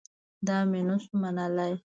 دا مې نه سو منلاى.